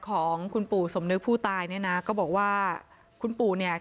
ของคุณปู่สมนึกผู้ตายเนี่ยนะก็บอกว่าคุณปู่เนี่ย